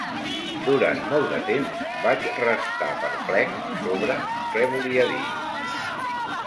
Durant molt de temps vaig restar perplex sobre què volia dir.